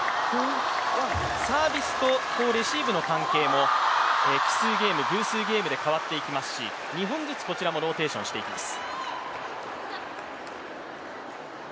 サービスとレシーブの関係も奇数ゲーム、偶数ゲームで変わっていきますし２本ずつこちらもローテションしていきます。